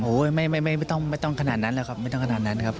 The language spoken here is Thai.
โอ้โหไม่ต้องขนาดนั้นแหละครับไม่ต้องขนาดนั้นครับ